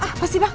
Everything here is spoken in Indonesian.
ah pasti mak